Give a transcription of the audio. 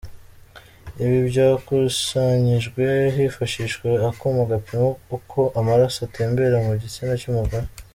Ibi byakusanyijwe hifashishijwe akuma gapima uko amaraso atembera mu gitsina cy’umugore.